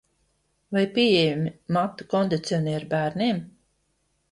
Vai pieejami matu kondicionieri bērniem?